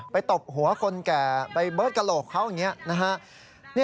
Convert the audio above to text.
ไปตบหัวคนแก่ไปเบิดกระโลกเขาอย่างนี้